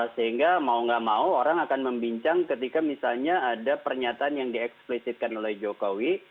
sehingga mau gak mau orang akan membincang ketika misalnya ada pernyataan yang dieksplisitkan oleh jokowi